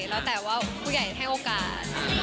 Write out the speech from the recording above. แล้วแต่ว่าผู้ใหญ่ให้โอกาส